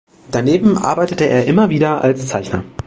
Daneben arbeitete er immer wieder als Zeichner.